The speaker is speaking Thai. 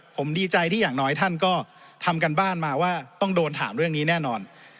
ผมดีใจที่อย่างน้อยท่านก็ทำการบ้านมาว่าต้องโดนถามเรื่องนี้แน่นอน